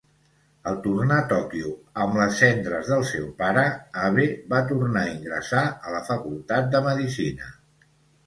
Al tornar a Tòquio amb les cendres del seu pare, Abe va tornar a ingressar a la facultat de medicina.